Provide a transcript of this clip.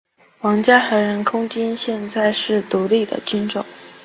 皇家荷兰空军现在是独立的军种。